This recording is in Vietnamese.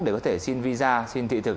để có thể xin visa xin thị thực